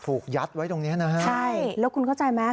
ถูกยัดไว้ตรงเนี้ยนะฮะใช่แล้วคุณเข้าใจไหม